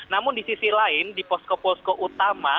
namun di sisi lain di posko posko utama